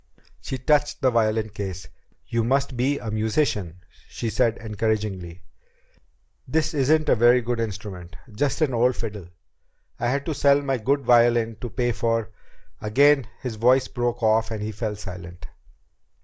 She touched the violin case. "You must be a musician," she said encouragingly. "This isn't a very good instrument. Just an old fiddle. I had to sell my good violin to pay for " Again his voice broke off and he fell silent.